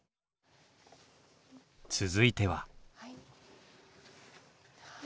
続いては。